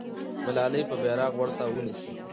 ملالۍ به بیرغ ورته ونیسي.